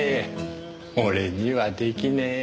俺には出来ねえ。